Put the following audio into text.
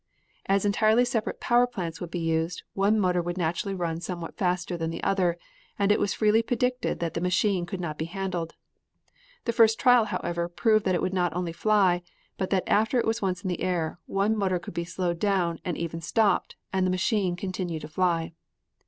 As entirely separate power plants would be used, one motor would naturally run somewhat faster than the other, and it was freely predicted that the machine could not be handled. The first trial, however, proved that it would not only fly, but that after it was once in the air, one motor could be slowed down and even stopped and the machine continue to fly.